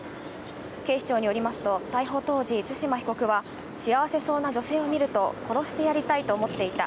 警視庁によりますと、逮捕当時、対馬被告は幸せそうな女性を見ると殺してやりたいと思っていた。